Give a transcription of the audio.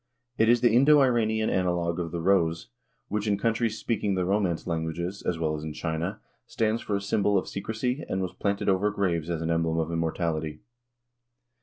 It is the Indo Iranian analogue of the rose, which in countries speaking the romance languages, as well as in China, stands for a symbol of secrecy and was planted over graves as an emblem of immortality.